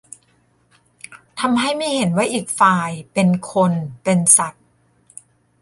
ทำให้ไม่เห็นว่าอีกฝ่ายเป็นคน เป็นสัตว์